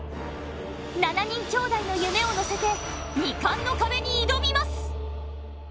７人兄弟の夢を乗せて、２冠の壁に挑みます。